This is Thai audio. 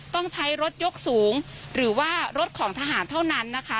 ต้องใช้รถยกสูงหรือว่ารถของทหารเท่านั้นนะคะ